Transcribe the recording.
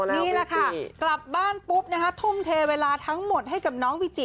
นี่แหละค่ะกลับบ้านปุ๊บนะคะทุ่มเทเวลาทั้งหมดให้กับน้องวิจิ